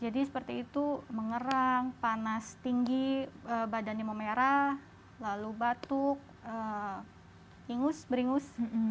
jadi seperti itu mengerang panas tinggi badannya memerah lalu batuk ingus beringus